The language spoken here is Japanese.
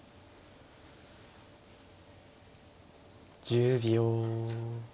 １０秒。